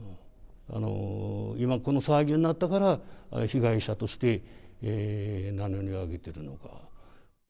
今、この騒ぎになったから、被害者として名乗りを上げてるのか。